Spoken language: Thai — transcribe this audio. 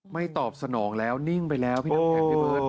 ตอบสนองแล้วนิ่งไปแล้วพี่น้ำแข็งพี่เบิร์ต